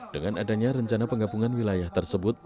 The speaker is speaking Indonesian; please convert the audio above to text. dengan adanya rencana penggabungan wilayah tersebut